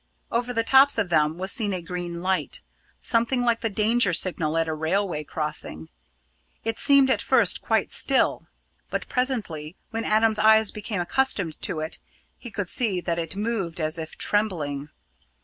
Over the tops of them was seen a green light, something like the danger signal at a railway crossing. It seemed at first quite still; but presently, when Adam's eye became accustomed to it, he could see that it moved as if trembling.